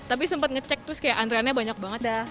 tapi sempat ngecek terus kayak antreannya banyak banget dah